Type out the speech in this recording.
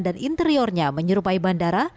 dan interiornya menyerupai bandara